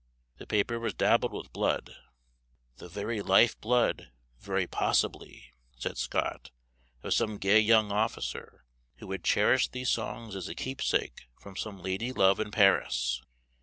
The paper was dabbled with blood "the very life blood, very possibly," said Scott, "of some gay young officer, who had cherished these songs as a keepsake from some lady love in Paris."